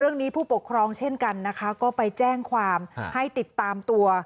ผู้ปกครองเช่นกันนะคะก็ไปแจ้งความให้ติดตามตัว